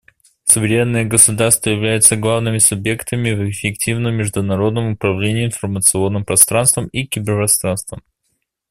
Суверенные государства являются главными субъектами в эффективном международном управлении информационным пространством и киберпространством.